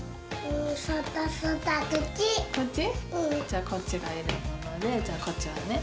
じゃあこっちがいるものでじゃあこっちはね